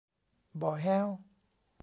บ่อแฮ้ว